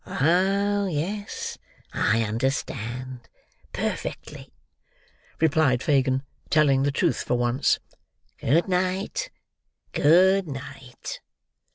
"Oh yes, I understand—perfectly," replied Fagin, telling the truth for once. "Good night! Good night!"